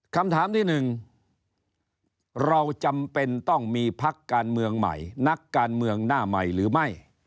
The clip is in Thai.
คำถามที่หนึ่งเราจำเป็นต้องมีพักการเมืองใหม่นักการเมืองหน้าใหม่หรือไม่